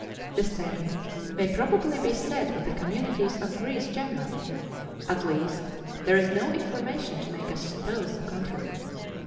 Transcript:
The same may probably be said of the communities of Greece generally at least there is no information to make us suppose the contrary.